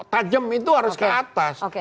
tajam itu harus ke atas